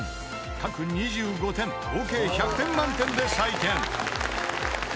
［各２５点合計１００点満点で採点］